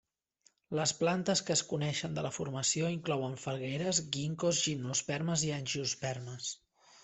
Les plantes que es coneixen de la formació inclouen falgueres, ginkgos, gimnospermes, i angiospermes.